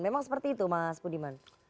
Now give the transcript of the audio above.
memang seperti itu mas budiman